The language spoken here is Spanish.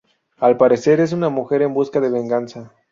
Al parecer, es una mujer en busca de venganza.